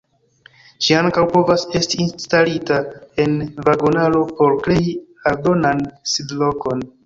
Ĝi ankaŭ povas esti instalita en vagonaro por krei aldonan sidlokon.